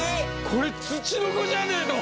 これツチノコじゃねえの？